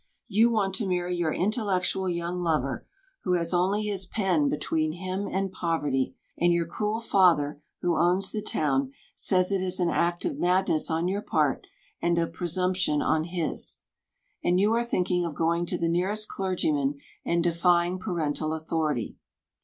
You want to marry your intellectual young lover, who has only his pen between him and poverty, and your cruel father, who owns the town, says it is an act of madness on your part, and of presumption on his. And you are thinking of going to the nearest clergyman and defying parental authority.